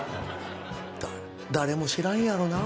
誰も知らんやろなぁ。